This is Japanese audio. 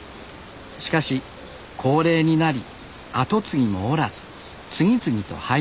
しかし高齢になり後継ぎもおらず次々と廃業。